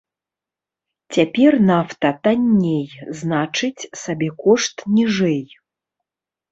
Цяпер нафта танней, значыць сабекошт ніжэй.